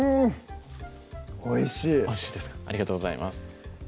おいしいありがとうございます